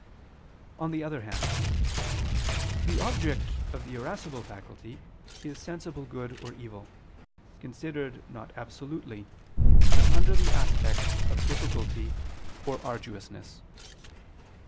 On the other hand, the object of the irascible faculty is sensible good or evil, considered not absolutely, but under the aspect of difficulty or arduousness.